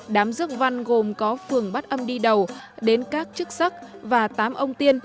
đám dước văn gồm có phường bát âm đi đầu đến các chức sắc và tám ông tiên